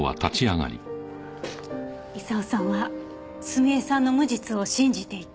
功さんは澄江さんの無実を信じていた。